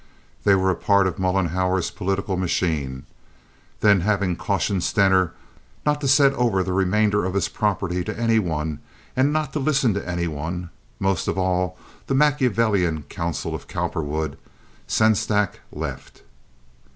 They were a part of Mollenhauer's political machine. Then, having cautioned Stener not to set over the remainder of his property to any one, and not to listen to any one, most of all to the Machiavellian counsel of Cowperwood, Sengstack left.